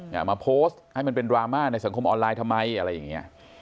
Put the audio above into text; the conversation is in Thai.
เอามาโพสต์ให้มันเป็นดราม่าในสังคมออนไลน์ทำไมอะไรอย่างเงี้ย